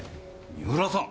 三浦さん！